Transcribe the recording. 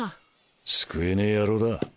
救えねえ野郎だ。